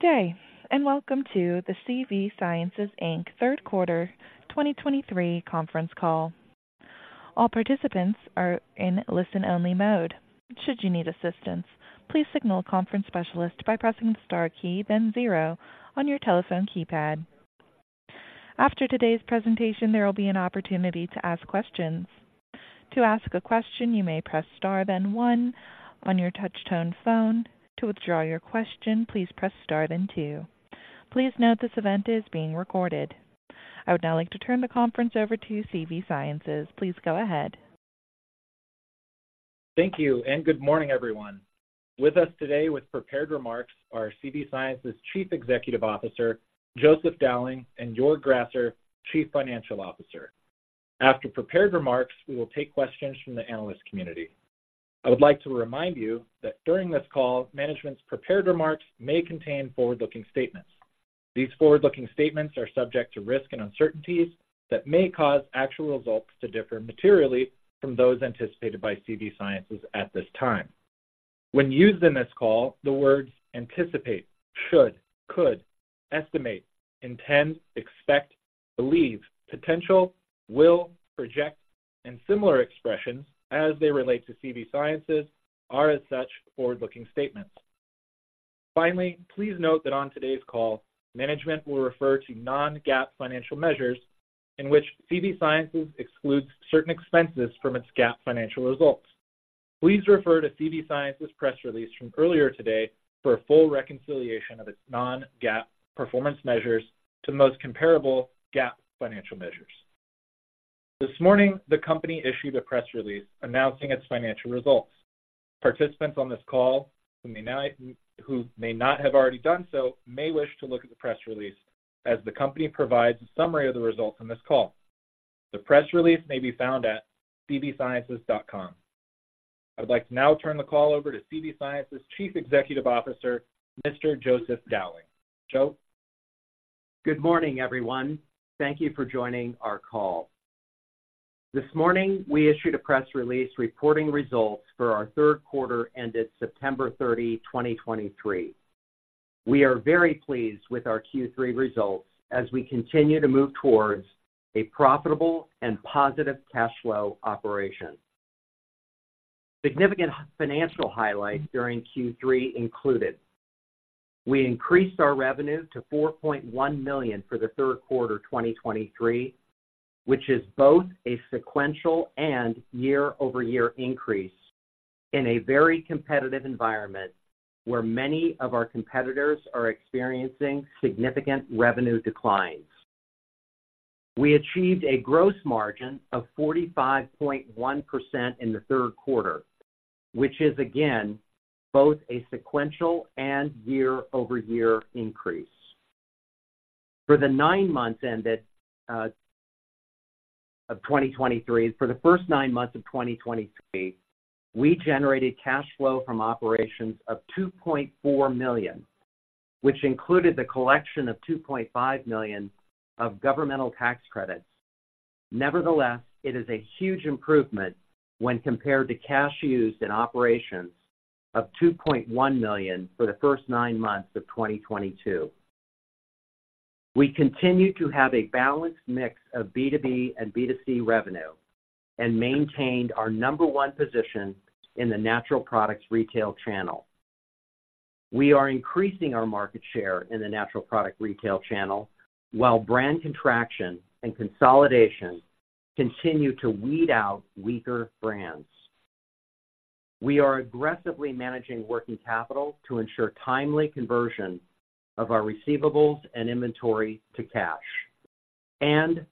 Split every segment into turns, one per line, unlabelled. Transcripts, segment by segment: Good day, and welcome to the CV Sciences, Inc. Q3 2023 conference call. All participants are in listen-only mode. Should you need assistance, please signal a conference specialist by pressing the star key, then zero on your telephone keypad. After today's presentation, there will be an opportunity to ask questions. To ask a question, you may press star, then one on your touch-tone phone. To withdraw your question, please press star, then two. Please note, this event is being recorded. I would now like to turn the conference over to CV Sciences. Please go ahead.
Thank you, and good morning, everyone. With us today with prepared remarks are CV Sciences' Chief Executive Officer, Joseph Dowling, and Joerg Grasser, Chief Financial Officer. After prepared remarks, we will take questions from the analyst community. I would like to remind you that during this call, management's prepared remarks may contain forward-looking statements. These forward-looking statements are subject to risks and uncertainties that may cause actual results to differ materially from those anticipated by CV Sciences at this time. When used in this call, the words anticipate, should, could, estimate, intend, expect, believe, potential, will, project, and similar expressions as they relate to CV Sciences are, as such, forward-looking statements. Finally, please note that on today's call, management will refer to non-GAAP financial measures in which CV Sciences excludes certain expenses from its GAAP financial results. Please refer to CV Sciences' press release from earlier today for a full reconciliation of its non-GAAP performance measures to the most comparable GAAP financial measures. This morning, the company issued a press release announcing its financial results. Participants on this call, who may not have already done so, may wish to look at the press release as the company provides a summary of the results on this call. The press release may be found at cvsciences.com. I would like to now turn the call over to CV Sciences' Chief Executive Officer, Mr. Joseph Dowling. Joe?
Good morning, everyone. Thank you for joining our call. This morning, we issued a press release reporting results for our Q3 ended September 30, 2023. We are very pleased with our Q3 results as we continue to move towards a profitable and positive cash flow operation. Significant financial highlights during Q3 included: We increased our revenue to $4.1 million for the Q3 2023, which is both a sequential and year-over-year increase in a very competitive environment where many of our competitors are experiencing significant revenue declines. We achieved a gross margin of 45.1% in the Q3, which is again, both a sequential and year-over-year increase. For the first nine months of 2023, we generated cash flow from operations of $2.4 million, which included the collection of $2.5 million of governmental tax credits. Nevertheless, it is a huge improvement when compared to cash used in operations of $2.1 million for the first nine months of 2022. We continue to have a balanced mix of B2B and B2C revenue and maintained our number one position in the natural products retail channel. We are increasing our market share in the natural product retail channel, while brand contraction and consolidation continue to weed out weaker brands. We are aggressively managing working capital to ensure timely conversion of our receivables and inventory to cash, and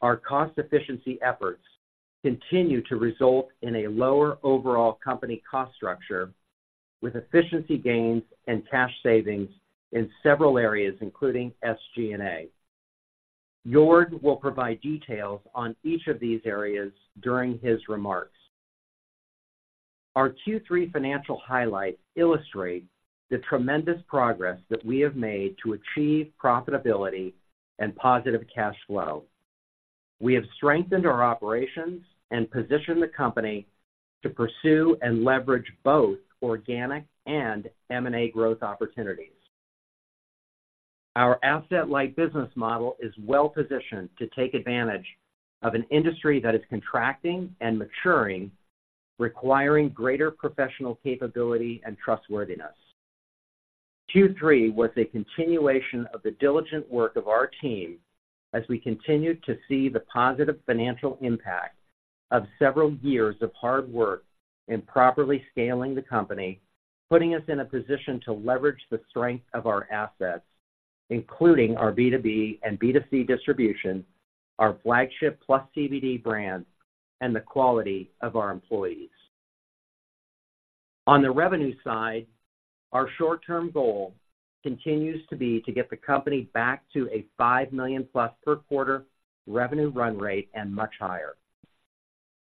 our cost efficiency efforts continue to result in a lower overall company cost structure with efficiency gains and cash savings in several areas, including SG&A. Joerg will provide details on each of these areas during his remarks. Our Q3 financial highlights illustrate the tremendous progress that we have made to achieve profitability and positive cash flow. We have strengthened our operations and positioned the company to pursue and leverage both organic and M&A growth opportunities. Our asset-light business model is well-positioned to take advantage of an industry that is contracting and maturing, requiring greater professional capability and trustworthiness. Q3 was a continuation of the diligent work of our team as we continued to see the positive financial impact of several years of hard work in properly scaling the company, putting us in a position to leverage the strength of our assets, including our B2B and B2C distribution, our flagship PlusCBD brand, and the quality of our employees. On the revenue side, our short-term goal continues to be to get the company back to a $5 million+ per quarter revenue run rate and much higher.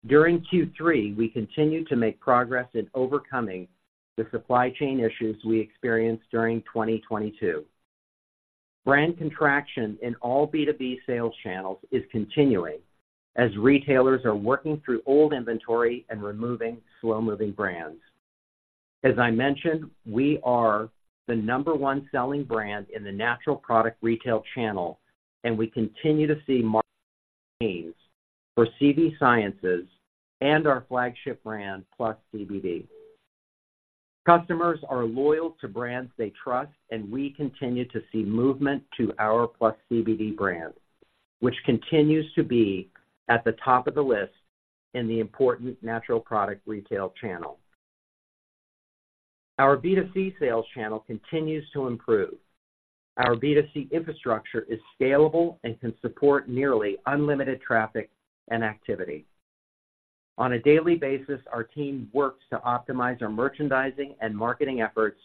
During Q3, we continued to make progress in overcoming the supply chain issues we experienced during 2022. Brand contraction in all B2B sales channels is continuing as retailers are working through old inventory and removing slow-moving brands. As I mentioned, we are the number one selling brand in the natural product retail channel, and we continue to see market gains for CV Sciences and our flagship brand, PlusCBD. Customers are loyal to brands they trust, and we continue to see movement to our PlusCBD brand, which continues to be at the top of the list in the important natural product retail channel. Our B2C sales channel continues to improve. Our B2C infrastructure is scalable and can support nearly unlimited traffic and activity. On a daily basis, our team works to optimize our merchandising and marketing efforts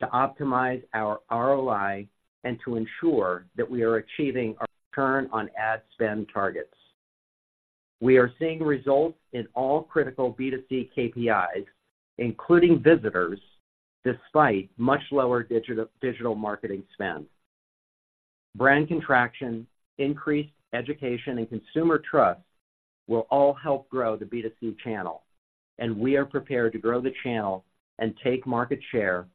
to optimize our ROI and to ensure that we are achieving our return on ad spend targets. We are seeing results in all critical B2C KPIs, including visitors, despite much lower digital marketing spend. Brand contraction, increased education, and consumer trust will all help grow the B2C channel, and we are prepared to grow the channel and take market share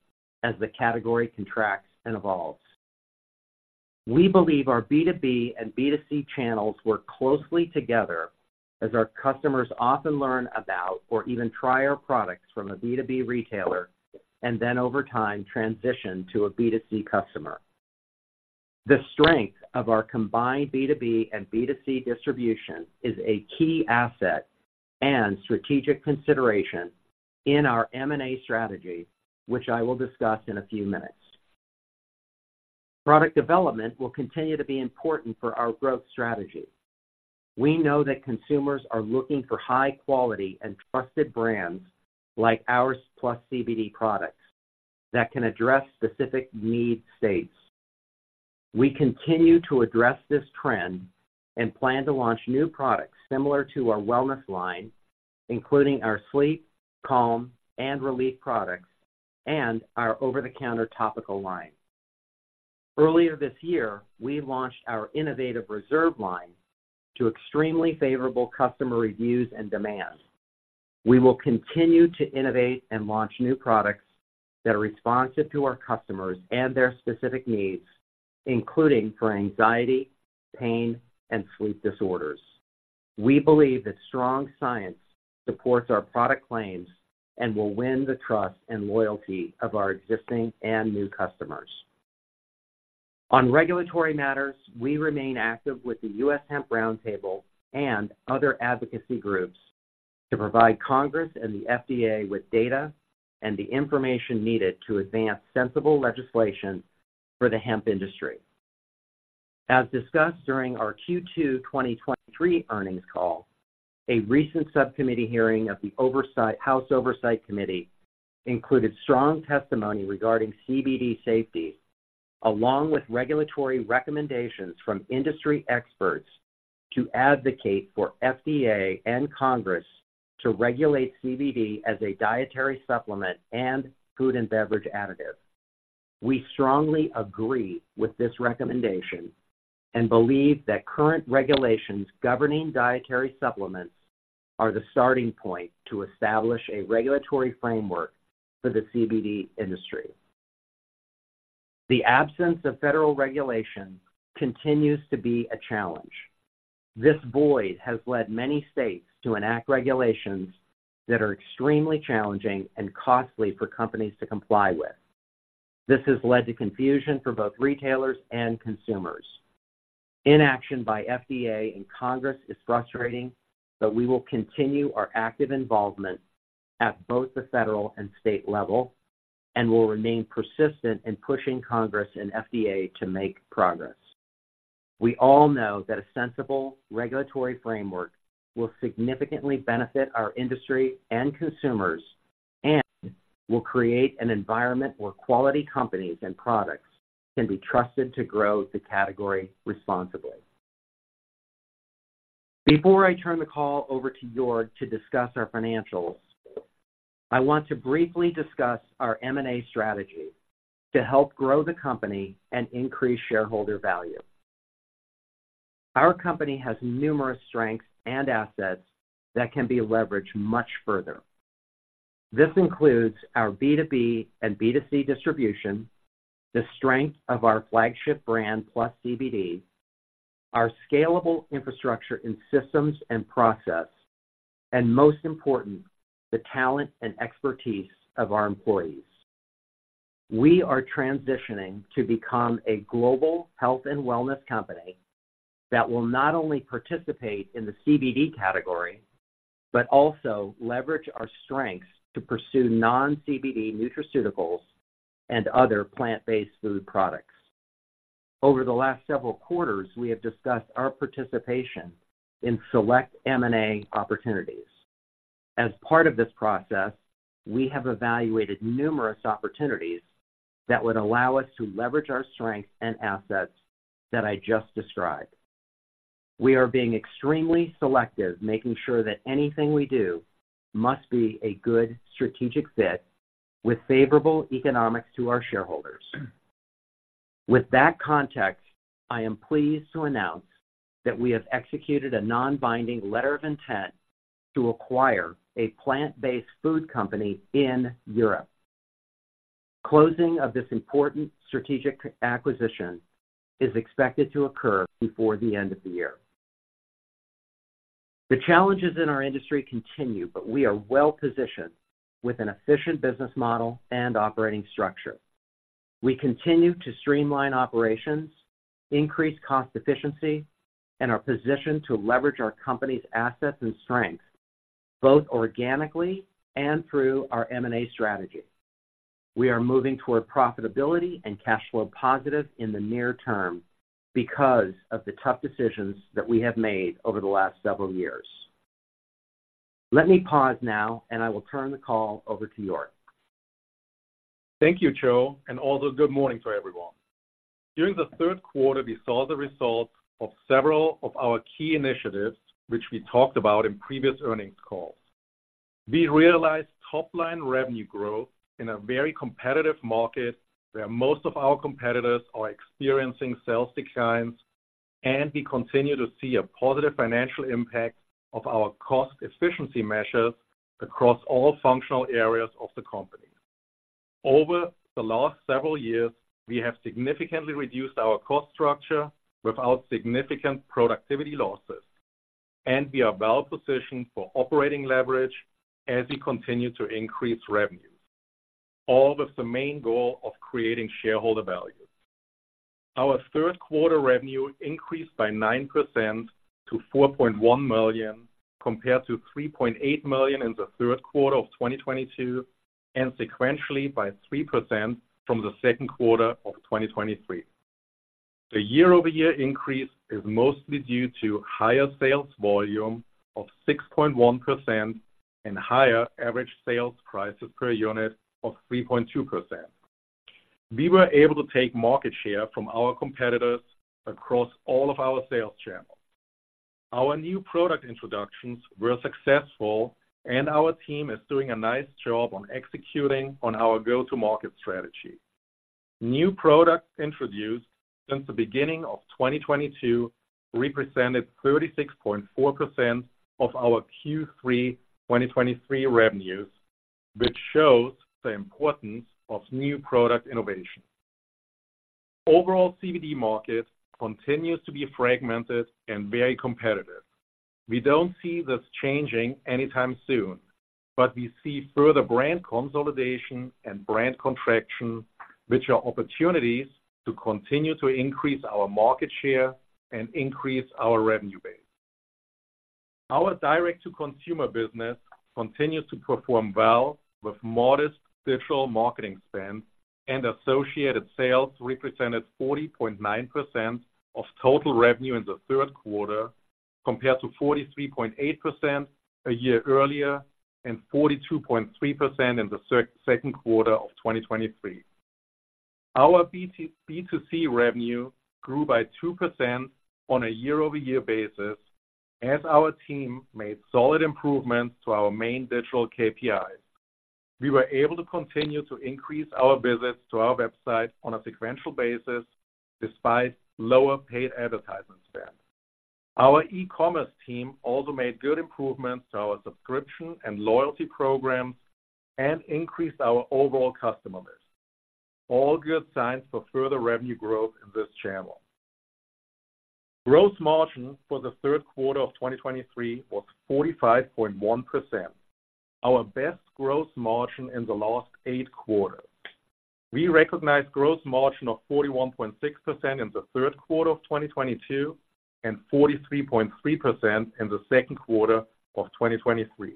as the category contracts and evolves. We believe our B2B and B2C channels work closely together as our customers often learn about or even try our products from a B2B retailer, and then over time, transition to a B2C customer. The strength of our combined B2B and B2C distribution is a key asset and strategic consideration in our M&A strategy, which I will discuss in a few minutes. Product development will continue to be important for our growth strategy. We know that consumers are looking for high quality and trusted brands like ours, PlusCBD products, that can address specific need states. We continue to address this trend and plan to launch new products similar to our wellness line, including our sleep, calm, and relief products, and our over-the-counter topical line. Earlier this year, we launched our innovative Reserve line to extremely favorable customer reviews and demand. We will continue to innovate and launch new products that are responsive to our customers and their specific needs, including for anxiety, pain, and sleep disorders. We believe that strong science supports our product claims and will win the trust and loyalty of our existing and new customers. On regulatory matters, we remain active with the U.S. Hemp Roundtable and other advocacy groups to provide Congress and the FDA with data and the information needed to advance sensible legislation for the hemp industry. As discussed during our Q2 2023 earnings call, a recent subcommittee hearing of the House Oversight Committee included strong testimony regarding CBD safety, along with regulatory recommendations from industry experts to advocate for FDA and Congress to regulate CBD as a dietary supplement and food and beverage additive. We strongly agree with this recommendation and believe that current regulations governing dietary supplements are the starting point to establish a regulatory framework for the CBD industry. The absence of federal regulation continues to be a challenge. This void has led many states to enact regulations that are extremely challenging and costly for companies to comply with. This has led to confusion for both retailers and consumers. Inaction by FDA and Congress is frustrating, but we will continue our active involvement at both the federal and state level, and will remain persistent in pushing Congress and FDA to make progress. We all know that a sensible regulatory framework will significantly benefit our industry and consumers, and will create an environment where quality companies and products can be trusted to grow the category responsibly. Before I turn the call over to Joerg to discuss our financials, I want to briefly discuss our M&A strategy to help grow the company and increase shareholder value. Our company has numerous strengths and assets that can be leveraged much further. This includes our B2B and B2C distribution, the strength of our flagship brand, PlusCBD, our scalable infrastructure in systems and process, and most important, the talent and expertise of our employees. We are transitioning to become a global health and wellness company that will not only participate in the CBD category, but also leverage our strengths to pursue non-CBD nutraceuticals and other plant-based food products. Over the last several quarters, we have discussed our participation in select M&A opportunities. As part of this process, we have evaluated numerous opportunities that would allow us to leverage our strengths and assets that I just described. We are being extremely selective, making sure that anything we do must be a good strategic fit with favorable economics to our shareholders. With that context, I am pleased to announce that we have executed a non-binding letter of intent to acquire a plant-based food company in Europe. Closing of this important strategic acquisition is expected to occur before the end of the year. The challenges in our industry continue, but we are well-positioned with an efficient business model and operating structure. We continue to streamline operations, increase cost efficiency, and are positioned to leverage our company's assets and strengths, both organically and through our M&A strategy. We are moving toward profitability and cash flow positive in the near term because of the tough decisions that we have made over the last several years. Let me pause now, and I will turn the call over to Joerg.
Thank you, Joe, and also good morning to everyone. During the Q3, we saw the results of several of our key initiatives, which we talked about in previous earnings calls. We realized top-line revenue growth in a very competitive market, where most of our competitors are experiencing sales declines, and we continue to see a positive financial impact of our cost efficiency measures across all functional areas of the company. Over the last several years, we have significantly reduced our cost structure without significant productivity losses, and we are well positioned for operating leverage as we continue to increase revenues, all with the main goal of creating shareholder value. Our Q3 revenue increased by 9% to $4.1 million, compared to $3.8 million in the Q3 of 2022, and sequentially by 3% from the Q2 of 2023. The year-over-year increase is mostly due to higher sales volume of 6.1% and higher average sales prices per unit of 3.2%. We were able to take market share from our competitors across all of our sales channels. Our new product introductions were successful, and our team is doing a nice job on executing on our go-to-market strategy. New products introduced since the beginning of 2022 represented 36.4% of our Q3 2023 revenues, which shows the importance of new product innovation. Overall, CBD market continues to be fragmented and very competitive. We don't see this changing anytime soon, but we see further brand consolidation and brand contraction, which are opportunities to continue to increase our market share and increase our revenue base. Our direct-to-consumer business continues to perform well, with modest digital marketing spend and associated sales represented 40.9% of total revenue in the Q3, compared to 43.8% a year earlier and 42.3% in the Q2 of 2023. Our B2C revenue grew by 2% on a year-over-year basis as our team made solid improvements to our main digital KPIs. We were able to continue to increase our visits to our website on a sequential basis, despite lower paid advertisement spend. Our e-commerce team also made good improvements to our subscription and loyalty programs and increased our overall customer base. All good signs for further revenue growth in this channel. Gross margin for the Q3 of 2023 was 45.1%, our best gross margin in the last eight quarters. We recognized gross margin of 41.6% in the Q3 of 2022, and 43.3% in the Q2 of 2023.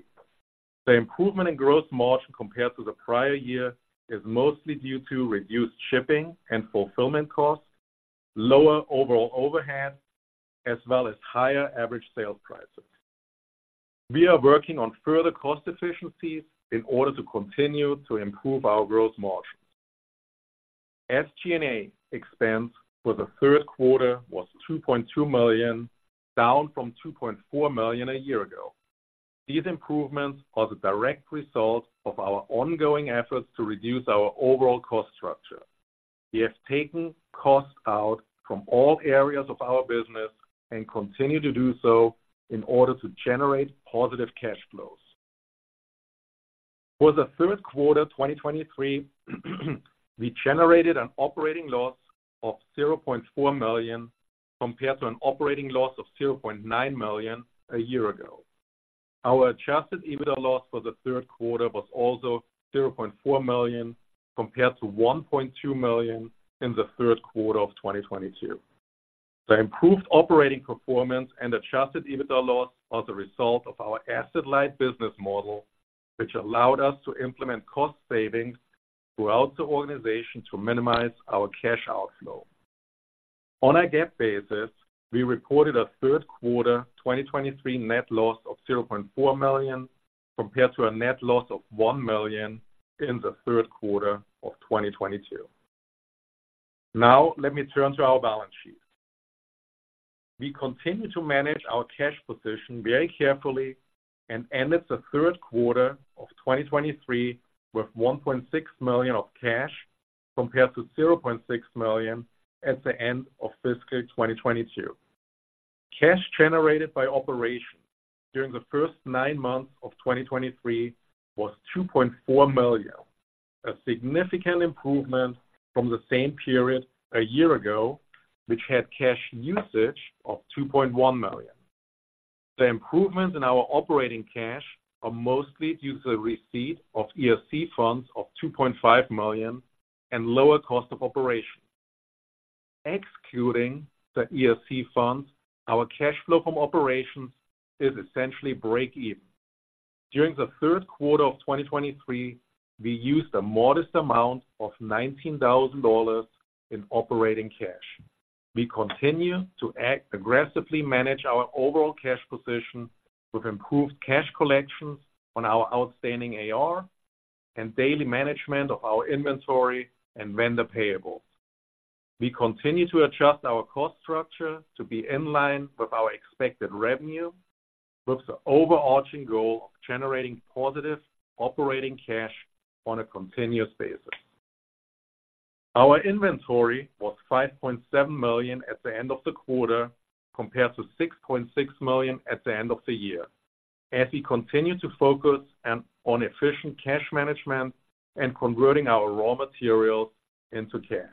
The improvement in gross margin compared to the prior year is mostly due to reduced shipping and fulfillment costs, lower overall overhead, as well as higher average sales prices. We are working on further cost efficiencies in order to continue to improve our gross margin. SG&A expense for the Q3 was $2.2 million, down from $2.4 million a year ago. These improvements are the direct result of our ongoing efforts to reduce our overall cost structure. We have taken costs out from all areas of our business and continue to do so in order to generate positive cash flows. For the Q3 2023, we generated an operating loss of $0.4 million, compared to an operating loss of $0.9 million a year ago. Our Adjusted EBITDA loss for the Q3 was also $0.4 million, compared to $1.2 million in the Q3 of 2022. The improved operating performance and Adjusted EBITDA loss are the result of our asset-light business model, which allowed us to implement cost savings throughout the organization to minimize our cash outflow. On a GAAP basis, we reported a Q3 2023 net loss of $0.4 million, compared to a net loss of $1 million in the Q3 of 2022. Now let me turn to our balance sheet. We continue to manage our cash position very carefully and ended the Q3 of 2023 with $1.6 million of cash, compared to $0.6 million at the end of fiscal 2022. Cash generated by operations during the first nine months of 2023 was $2.4 million, a significant improvement from the same period a year ago, which had cash usage of $2.1 million. The improvements in our operating cash are mostly due to the receipt of ERC funds of $2.5 million and lower cost of operations. Excluding the ERC funds, our cash flow from operations is essentially break even. During the Q3 of 2023, we used a modest amount of $19,000 in operating cash. We continue to act aggressively manage our overall cash position with improved cash collections on our outstanding AR and daily management of our inventory and vendor payables. We continue to adjust our cost structure to be in line with our expected revenue, with the overarching goal of generating positive operating cash on a continuous basis. Our inventory was $5.7 million at the end of the quarter, compared to $6.6 million at the end of the year. As we continue to focus on efficient cash management and converting our raw materials into cash.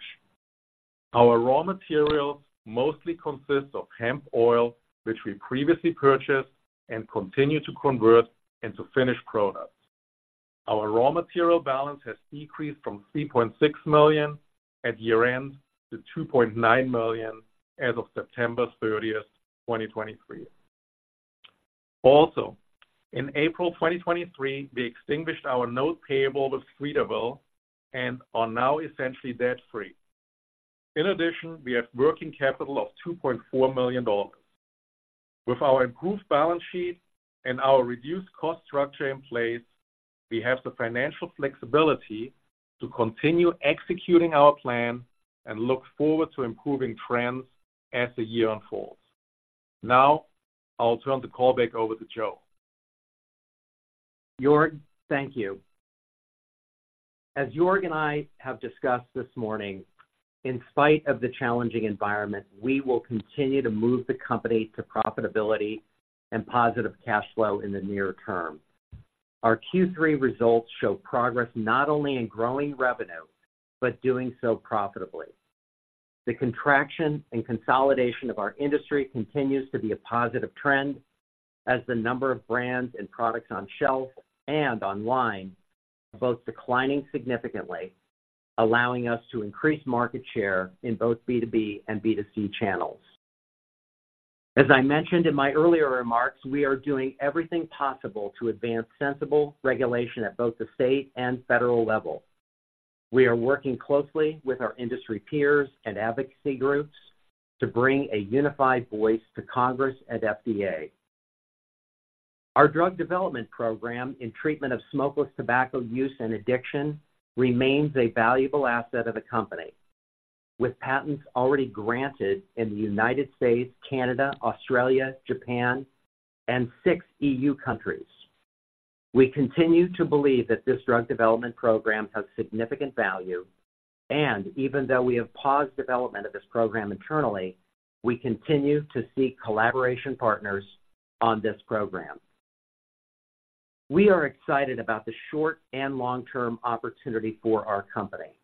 Our raw materials mostly consist of hemp oil, which we previously purchased and continue to convert into finished products. Our raw material balance has decreased from $3.6 million at year-end to $2.9 million as of September 30, 2023. Also, in April 2023, we extinguished our note payable with Streeterville and are now essentially debt-free. In addition, we have working capital of $2.4 million. With our improved balance sheet and our reduced cost structure in place, we have the financial flexibility to continue executing our plan and look forward to improving trends as the year unfolds. Now, I'll turn the call back over to Joe.
Joerg, thank you. As Joerg and I have discussed this morning, in spite of the challenging environment, we will continue to move the company to profitability and positive cash flow in the near term. Our Q3 results show progress not only in growing revenue, but doing so profitably. The contraction and consolidation of our industry continues to be a positive trend as the number of brands and products on shelf and online are both declining significantly, allowing us to increase market share in both B2B and B2C channels. As I mentioned in my earlier remarks, we are doing everything possible to advance sensible regulation at both the state and federal level. We are working closely with our industry peers and advocacy groups to bring a unified voice to Congress and FDA. Our drug development program in treatment of smokeless tobacco use and addiction remains a valuable asset of the company, with patents already granted in the United States, Canada, Australia, Japan, and six EU countries. We continue to believe that this drug development program has significant value, and even though we have paused development of this program internally, we continue to seek collaboration partners on this program. We are excited about the short- and long-term opportunity for our company,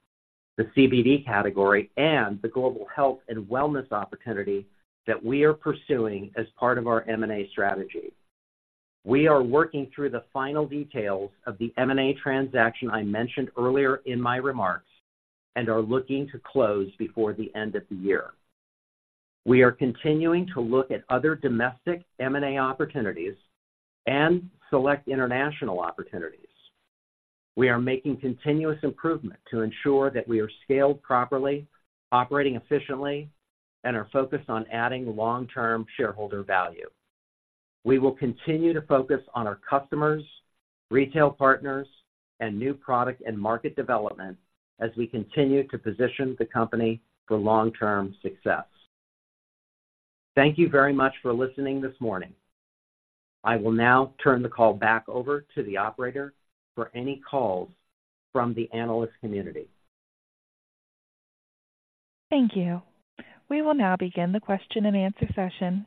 the CBD category, and the global health and wellness opportunity that we are pursuing as part of our M&A strategy. We are working through the final details of the M&A transaction I mentioned earlier in my remarks and are looking to close before the end of the year. We are continuing to look at other domestic M&A opportunities and select international opportunities. We are making continuous improvement to ensure that we are scaled properly, operating efficiently, and are focused on adding long-term shareholder value. We will continue to focus on our customers, retail partners, and new product and market development as we continue to position the company for long-term success. Thank you very much for listening this morning. I will now turn the call back over to the operator for any calls from the analyst community.
Thank you. We will now begin the question and answer session.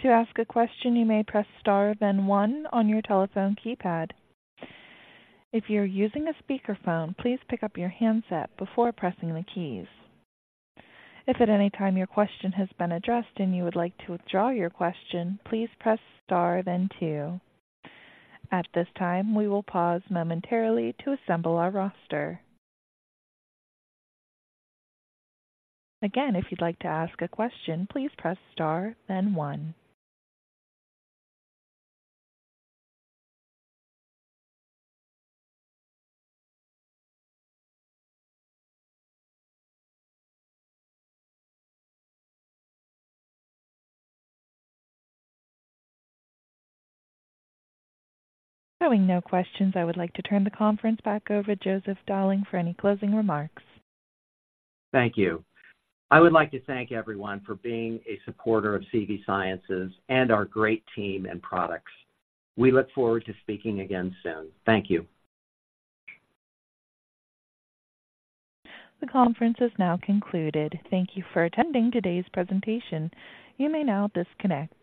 To ask a question, you may press star, then one on your telephone keypad. If you're using a speakerphone, please pick up your handset before pressing the keys. If at any time your question has been addressed and you would like to withdraw your question, please press star, then two. At this time, we will pause momentarily to assemble our roster. Again, if you'd like to ask a question, please press star, then one. Showing no questions, I would like to turn the conference back over to Joseph Dowling for any closing remarks.
Thank you. I would like to thank everyone for being a supporter of CV Sciences and our great team and products. We look forward to speaking again soon. Thank you.
The conference is now concluded. Thank you for attending today's presentation. You may now disconnect.